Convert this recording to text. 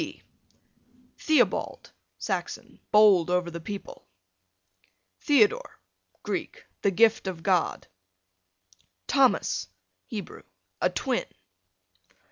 T Theobald, Saxon, bold over the people. Theodore, Greek, the gift of God. Thomas, Hebrew, a twin.